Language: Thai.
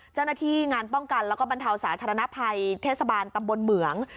เจ้าหน้าที่งานป้องกันแล้วก็บรรเทาสาธารณภัยเทศบาลตำบลเหมือง